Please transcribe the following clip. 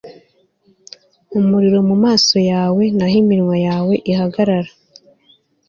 umuriro mumaso yawe n'aho iminwa yawe ihagarara